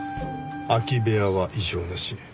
空き部屋は異常なし。